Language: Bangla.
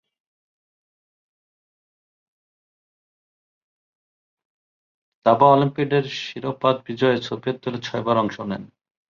দাবা অলিম্পিয়াডের শিরোপা বিজয়ে সোভিয়েত দলে ছয়বার অংশ নেন।